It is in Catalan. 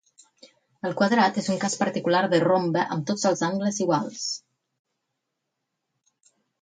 El quadrat és un cas particular de rombe amb tots els angles iguals.